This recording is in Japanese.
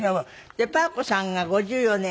パー子さんが５４年。